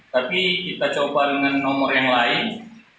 tapi kita coba dengan nomor yang lain